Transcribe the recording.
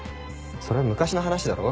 それは昔の話だろ。